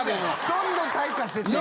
どんどん退化してってる。